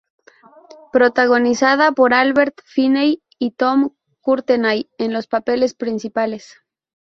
Protagonizada por Albert Finney y Tom Courtenay en los papeles principales.